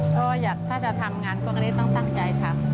พ่ออยากถ้าจะทำงานก็ก็เลยต้องตั้งใจทำ